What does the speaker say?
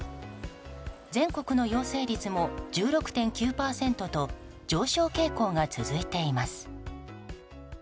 全国の陽性率も１６．９％と上昇傾向が続いています。